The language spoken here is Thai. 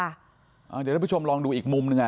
เดี๋ยวท่านผู้ชมลองดูอีกมุมหนึ่ง